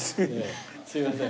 すいません